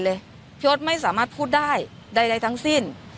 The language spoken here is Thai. หลากหลายรอดอย่างเดียว